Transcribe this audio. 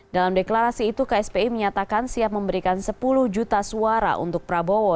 dalam deklarasi itu kspi menyatakan siap memberikan sepuluh juta suara untuk prabowo